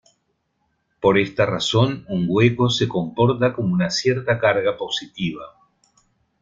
Por esta razón un hueco se comporta como una cierta carga positiva.